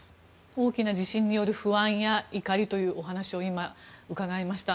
大きな地震による不安や怒りというお話を今、伺いました。